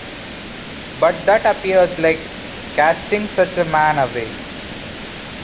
But that appears like casting such a man away.